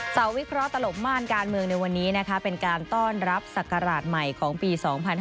วิเคราะห์ตลบม่านการเมืองในวันนี้นะคะเป็นการต้อนรับศักราชใหม่ของปี๒๕๕๙